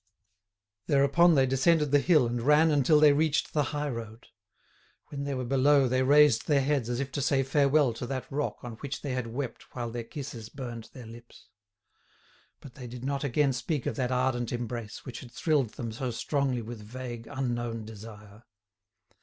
Thereupon they descended the hill and ran until they reached the high road. When they were below they raised their heads as if to say farewell to that rock on which they had wept while their kisses burned their lips. But they did not again speak of that ardent embrace which had thrilled them so strongly with vague, unknown desire.